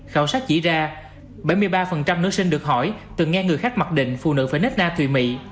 khảo sát chỉ ra bảy mươi ba nữ sinh được hỏi từng nghe người khác mặc định phụ nữ phải nết na thùy mị